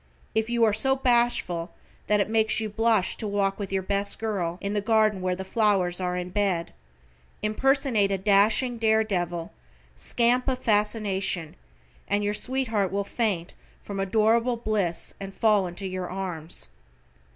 If you are so bashful that it makes you blush to walk with your best girl, in the garden where the flowers are in bed, impersonate a dashing, dare devil, scamp of fascination, and your sweetheart will faint from adorable bliss and fall into your arms.